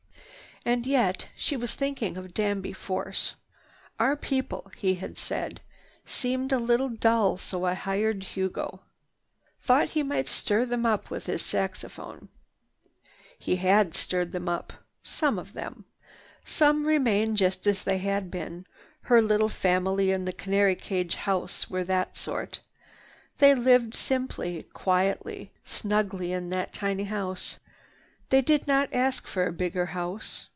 "And yet—" she was thinking of Danby Force. "Our people," he had said, "seemed a little dull, so I hired Hugo. Thought he might stir them up with his saxophone." He had stirred them up—some of them. Some remained just as they had been. Her little family in the canary cage house were that sort. They lived simply, quietly, snugly in that tiny house. They did not ask for a bigger house.